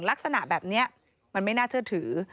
ลักษณะแบบนี้มันไม่น่าเชื่อถือ